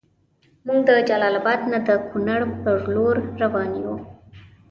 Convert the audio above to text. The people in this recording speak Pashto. مونږ د جلال اباد نه د کونړ پر لور دروان یو